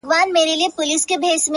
o گراني په تا باندي چا كوډي كړي؛